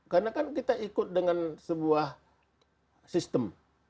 karena kan kita ikut dengan sebuah sistem